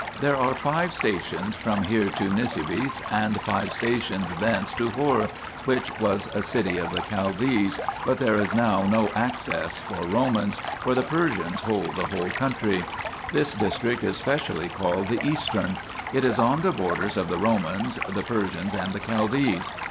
There are five stations from here to Nisibis, and five stations thence to Hur, 3 which was a city of the Chaldees, but there is now no access for Romans, for the Persians hold the whole country. 4 This district is specially called the Eastern ; it is on the borders of the Romans, the Persians and the Chaldees."